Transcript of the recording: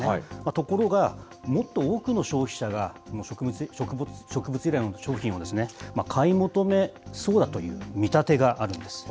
ところが、もっと多くの消費者が、植物由来の商品を買い求めそうだという見立てがあるんです。